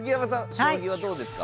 将棋はどうですか？